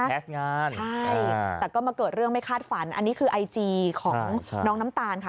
งานใช่แต่ก็มาเกิดเรื่องไม่คาดฝันอันนี้คือไอจีของน้องน้ำตาลค่ะ